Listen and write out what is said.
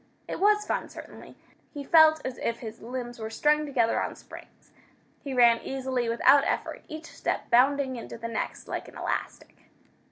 It was fun, certainly. He felt as if his limbs were strung together on springs. He ran easily, without effort, each step bounding into the next like an elastic.